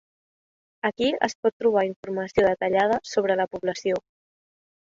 Aquí es pot trobar informació detallada sobre la població.